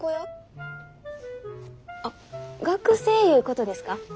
あっ学生いうことですか？